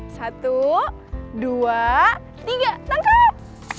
satu dua tiga tangkap